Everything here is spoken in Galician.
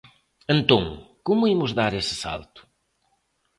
Entón ¿como imos dar ese salto?